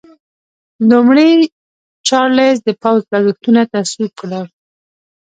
لومړي چارلېز د پوځ لګښتونه تصویب کړل.